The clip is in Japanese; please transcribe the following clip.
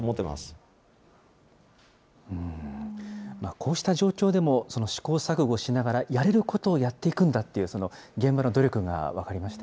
こうした状況でも、試行錯誤しながら、やれることをやっていくんだっていう、現場の努力が分かりました